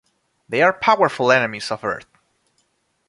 They are powerful enemies of Earth.